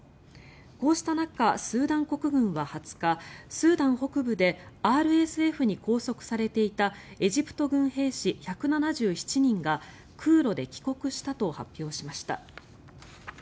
こうした中、スーダン国軍は２０日スーダン北部でＲＳＦに拘束されていたエジプト軍兵士１７７人が空路で帰国したと発表しました。